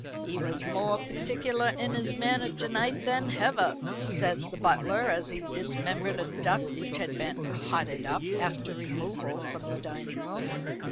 "He was more particular in his manner to night than hever," said the butler, as he dismembered a duck which had been "hotted up" after removal from the dining room.